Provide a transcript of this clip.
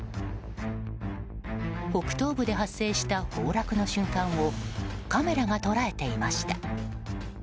北東部で発生した崩落の瞬間をカメラが捉えていました。